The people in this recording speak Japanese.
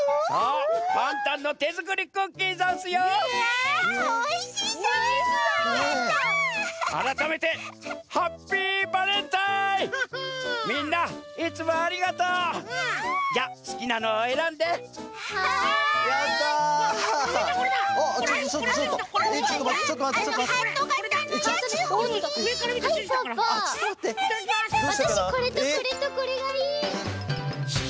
わたしこれとこれとこれがいい。